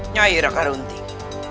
nyai raka runting